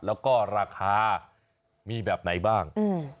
แล้วก็ราคามีแบบไหนบ้าง